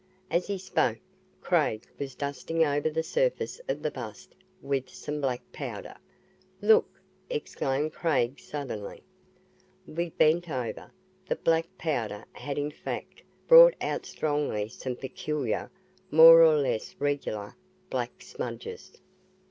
As he spoke, Craig was dusting over the surface of the bust with some black powder. "Look!" exclaimed Craig suddenly. We bent over. The black powder had in fact brought out strongly some peculiar, more or less regular, black smudges.